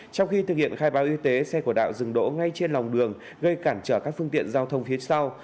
trong khi thực hiện khai báo y tế xe của đạo dừng đỗ ngay trên lòng đường gây cản trở các phương tiện giao thông phía sau